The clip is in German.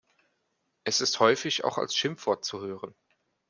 Es ist häufig auch als Schimpfwort zu hören.